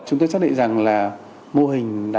chúng tôi chắc định rằng là mô hình đã